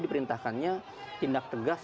diperintahkannya tindak tegas